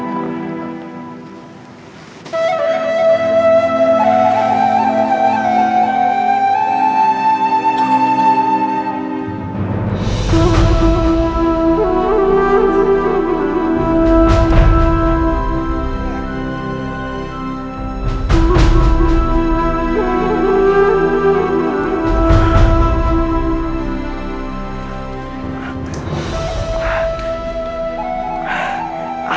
terima kasih tuhan